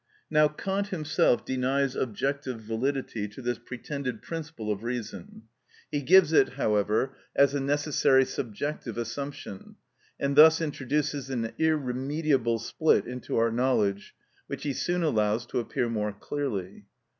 Now Kant himself denies objective validity to this pretended principle of reason; he gives it, however, as a necessary subjective assumption, and thus introduces an irremediable split into our knowledge, which he soon allows to appear more clearly.